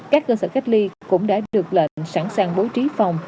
các cơ sở cách ly cũng đã được lệnh sẵn sàng bố trí phòng